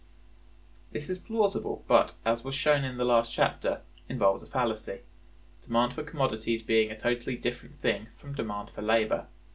This is plausible, but, as was shown in the last chapter, involves a fallacy; demand for commodities being a totally different thing from demand for labor.